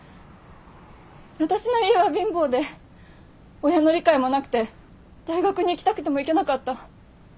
私の家は貧乏で親の理解もなくて大学に行きたくても行けなかった。